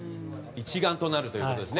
一丸となるということですね。